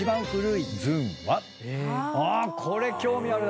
これ興味ある。